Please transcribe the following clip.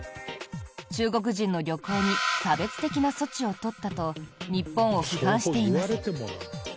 中国人の旅行に差別的な措置を取ったと日本を批判しています。